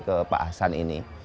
ke pak hasan ini